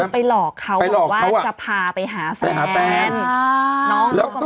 ไปหลอกเขาบอกว่าจะพาไปหาแฟน